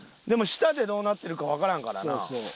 でも下でどうなってるかわからんからな。